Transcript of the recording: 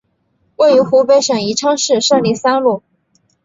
位于湖北省宜昌市胜利三路。